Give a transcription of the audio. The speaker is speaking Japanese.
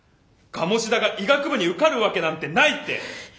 鴨志田が医学部に受かるわけなんてないって。